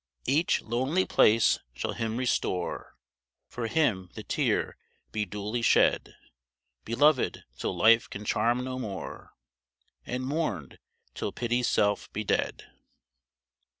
Each lonely place shall him restore, For him the tear be duly shed; Beloved till life can charm no more, And mourn'd till pity's self be dead.